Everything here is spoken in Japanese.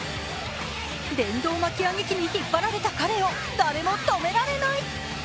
電動巻き上げ機に引っ張られた彼を誰も止められない！